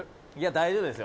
大丈夫ですよ。